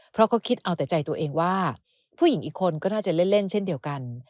เพราะเขาคิดเอาแต่ใจตัวเองว่าผู้หญิงอีกคนก็น่าจะเล่นเช่นเดียวกัน